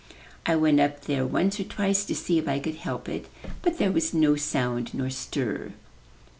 "I went up there once or twice to see if I could help it, but there was no sound nor stir.